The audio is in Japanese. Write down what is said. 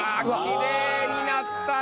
きれいになったね。